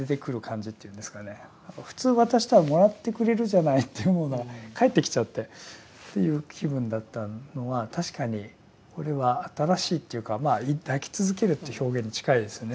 普通渡したらもらってくれるじゃないって思うのが帰ってきちゃってっていう気分だったのは確かにこれは新しいというか抱き続けるっていう表現に近いですね。